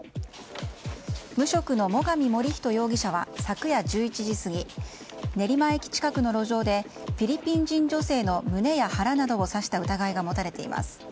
無職の最上守人容疑者は昨夜１１時過ぎ練馬駅近くの路上でフィリピン人女性の胸や腹などを刺した疑いが持たれています。